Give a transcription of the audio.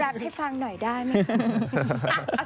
รับให้ฟังหน่อยได้มั้ย